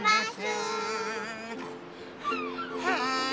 はい！